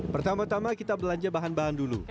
pertama tama kita belanja bahan bahan dulu